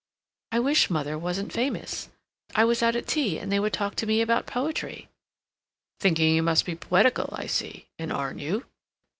"I wish mother wasn't famous. I was out at tea, and they would talk to me about poetry." "Thinking you must be poetical, I see—and aren't you?"